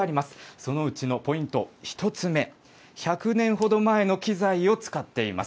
そのうちのポイント、１つ目、１００年ほど前の機材を使っています。